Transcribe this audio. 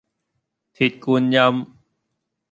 鐵觀音